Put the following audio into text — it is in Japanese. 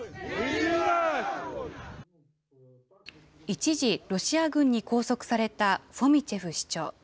一時ロシア軍に拘束されたフォミチェフ市長。